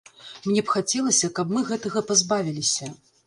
Мне б хацелася, каб мы гэтага пазбавіліся.